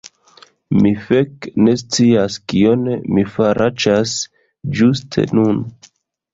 Mi feke ne scias kion mi faraĉas ĝuste nun!